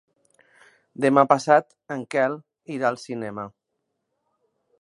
Demà passat en Quel irà al cinema.